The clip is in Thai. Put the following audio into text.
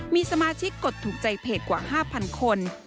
มีสมาชิกกดถูกใจเพจกว่า๕๐๐คน